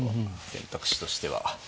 選択肢としては。